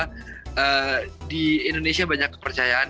karena di indonesia banyak kepercayaan